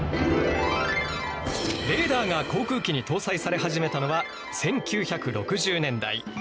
レーダーが航空機に搭載され始めたのは１９６０年代。